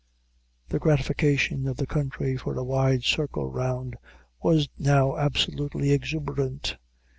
The gratification of the country for a wide circle round, was now absolutely exuberant.